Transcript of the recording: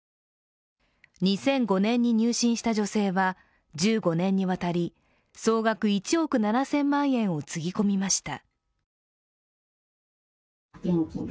２００５年入信した女性は１５年にわたり総額１億７０００万円をつぎ込みました。